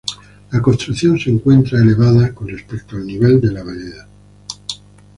La construcción se encuentra elevada con respecto al nivel de la vereda.